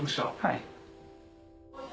はい。